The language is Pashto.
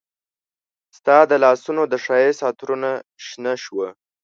ستا د لاسونو د ښایست عطرونه شنه شوه